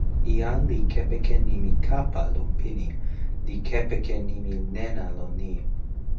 jan li kepeken nimi kapa lon pini li kepeken nimi nena lon ni.